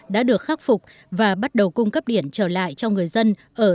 đã được khắc phục và bắt đầu cung cấp điện trở lại cho người dân